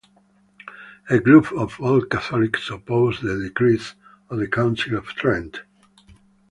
A group of Old Catholics opposed the decrees of the Council of Trent.